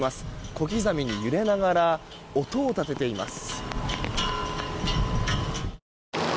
小刻みに揺れながら音を立てています。